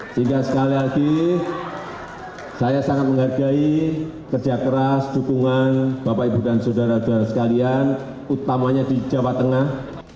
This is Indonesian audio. sehingga sekali lagi saya sangat menghargai kerja keras dukungan bapak ibu dan saudara saudara sekalian utamanya di jawa tengah